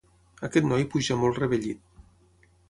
Aquest noi puja molt revellit.